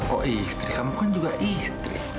kok istri kamu kan juga istri